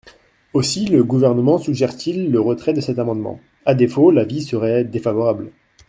Aussi le Gouvernement suggère-t-il le retrait de cet amendement ; à défaut, l’avis serait défavorable.